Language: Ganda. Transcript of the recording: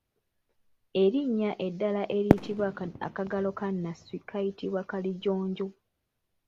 Erinnya eddala eriyitibwa akagalo ka nnasswi kayitibwa kalijjonjo.